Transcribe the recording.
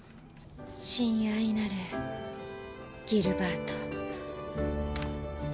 「親愛なるギルバート」。